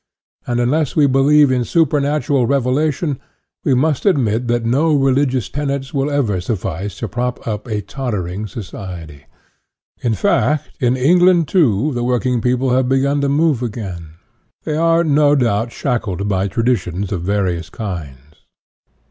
And, unless we believe ' in supernatural revelation, we must admit that no religious tenets will ever suffice to prop up a tottering society. In fact, in England, too, the working people have begun to move again. They are, no doubt, shackled by traditions of various kinds.